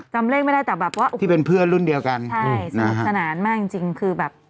จำเลขไม่ได้แต่แบบว่าที่เป็นเพื่อนรุ่นเดียวกันใช่สนุกสนานมากจริงจริงคือแบบ